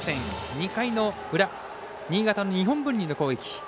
２回の裏、新潟の日本文理の攻撃。